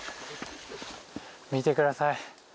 見てください。